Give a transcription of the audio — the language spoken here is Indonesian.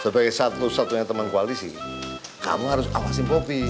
sebagai satu satunya teman koalisi kamu harus awasin kopi